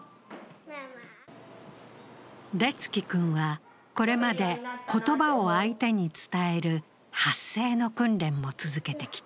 烈義君はこれまで言葉を相手に伝える発声の訓練も続けてきた。